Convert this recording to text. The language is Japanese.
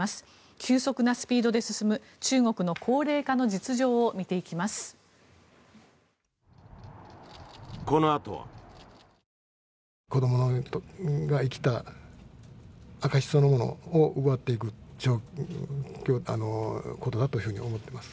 急速なスピードで進む中国の高齢化の実情を見ていきます。